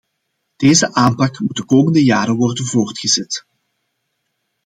Deze aanpak moet de komende jaren worden voortgezet.